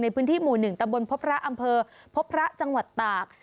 ในพื้นที่หมู่๑ตำบลพบพระอำเภอพบพระจังหวัดตาก